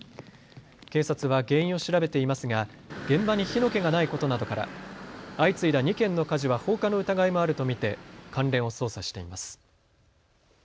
警察は原因を調べていますが現場に火の気がないことなどから相次いだ２件の火事は放火の疑いもあると見て関連を捜査しています。